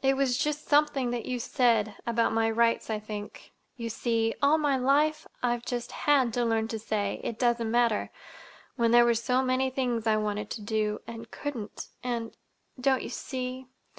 It was just something that you said—about my rights, I think. You see—all my life I've just had to learn to say 'It doesn't matter,' when there were so many things I wanted to do, and couldn't. And—don't you see?